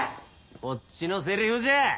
こっちのセリフじゃ！